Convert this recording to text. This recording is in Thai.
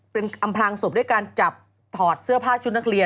เป็นอำพลางศพด้วยการจับถอดเสื้อผ้าชุดนักเรียน